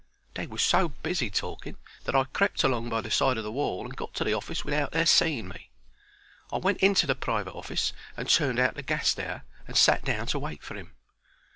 They was so busy talking that I crept along by the side of the wall and got to the office without their seeing me. I went into the private office and turned out the gas there, and sat down to wait for 'im.